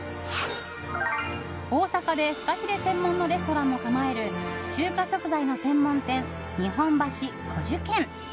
大阪でフカヒレ専門のレストランを構える中華食材の専門店日本橋古樹軒。